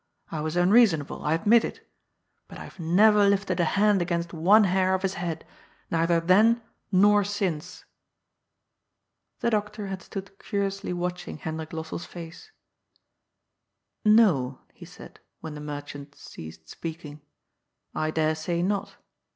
I was unreasonable. I admit it. But I haye neyer lifted a hand against one hair of his head, neither then nor since !^ The doctor had stood curiously watching Hendrik Los sell's &ce. ^' No," he said, when the merchant ceased speaking, ^' I dare say not.